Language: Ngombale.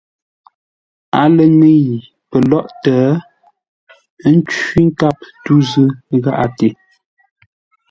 A lə ŋə̂i pəlóghʼtə ə́ ncwí nkâp tû zʉ́ gháʼate.